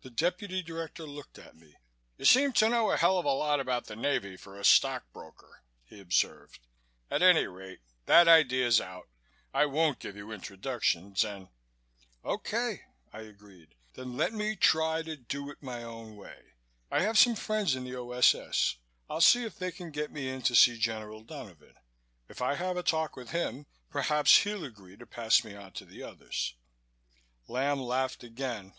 The Deputy Director looked at me. "You seem to know a hell of a lot about the Navy for a stock broker," he observed. "At any rate, that idea's out. I won't give you introductions and " "Okay!" I agreed. "Then let me try to do it my own way. I have some friends in the O.S.S. I'll see if they can't get me in to see General Donovan. If I have a talk with him, perhaps he'll agree to pass me on to the others." Lamb laughed again.